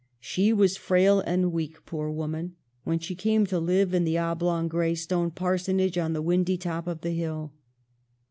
She was frail and weak, poor woman, when she came to live in the oblong gray stone parsonage on the windy top of the hill.